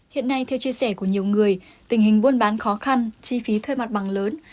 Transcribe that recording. hiện nay theo chia sẻ của nhiều người tình hình buôn bán khó khăn chi phí thuê mặt bằng lớn